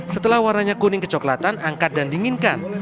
setelah warnanya kuning kecoklatan angkat dan dinginkan